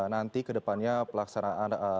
nanti ke depannya pelaksanaan